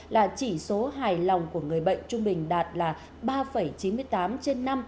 là chỉ số hài lòng của người bệnh trung bình đạt là ba chín mươi tám trên năm